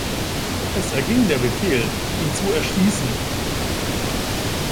Es erging der Befehl, ihn zu erschießen.